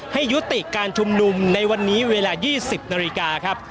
ให้ยุติการชุมนุมในวันนี้เวลา๒๐นาฬิกาครับ